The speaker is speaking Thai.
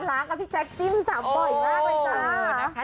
พี่แจ๊กจิ้มสัมบ่อยมากเลยจ้า